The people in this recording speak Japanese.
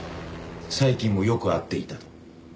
最近もよく会っていたと？